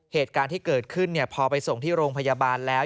เหตุการณ์ที่เกิดขึ้นพอไปส่งที่โรงพยาบาลแล้ว